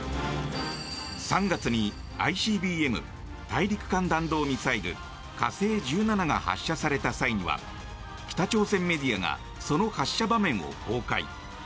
３月にＩＣＢＭ・大陸間弾道ミサイル火星１７が発射された際には北朝鮮メディアがその発射場面を公開。